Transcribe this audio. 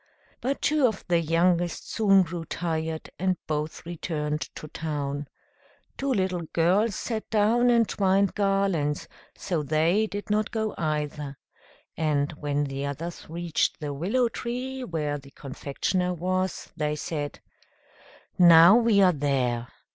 But two of the youngest soon grew tired, and both returned to town; two little girls sat down, and twined garlands, so they did not go either; and when the others reached the willow tree, where the confectioner was, they said, "Now we are there!